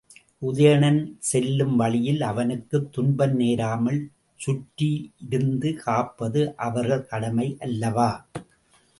உதயணன் செல்லும் வழியில் அவனுக்குத் துன்பம் நேராமல் சுற்றியிருந்து காப்பது அவர்கள் கடமை அல்லவா?